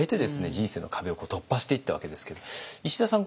人生の壁を突破していったわけですけど石田さん